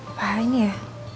apaan ini ya